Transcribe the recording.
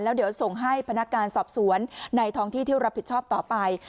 แล้วเดี๋ยวส่งให้พนักงานสอบสวนในท้องที่ที่รับผิดชอบต่อไป